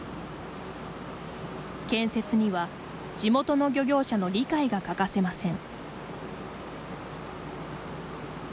建設には、地元の漁業者の理解が欠かせません。